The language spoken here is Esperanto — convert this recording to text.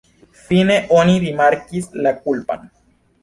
Fine oni rimarkis la kulpan.